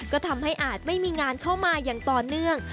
ก็ทำให้อาจไม่มีงานเข้ามาอย่างต่อเนื่อง